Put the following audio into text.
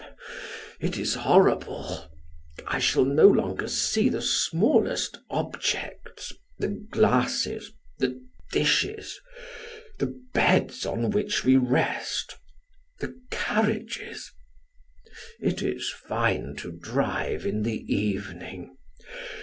It is horrible. I shall no longer see the smallest objects the glasses the dishes the beds on which we rest the carriages. It is fine to drive in the evening.